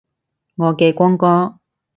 我嘅光哥